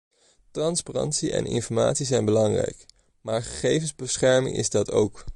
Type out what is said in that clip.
Transparantie en informatie zijn belangrijk, maar gegevensbescherming is dat ook.